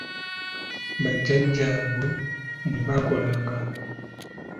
Bajjajjaabwe bwe baakolanga.